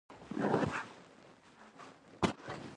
ځان مې دې ته سپارلی و، د سیند څنډه اوس نه ښکارېده.